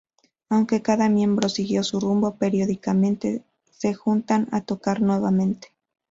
Aunque cada miembro siguió su rumbo, periódicamente se juntan a tocar nuevamente.